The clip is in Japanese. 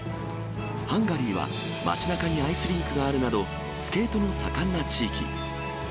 ハンガリーは町なかにアイスリンクがあるなど、スケートの盛んな地域。